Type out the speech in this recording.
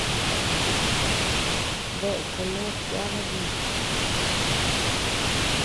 ¿Dae color yada mi?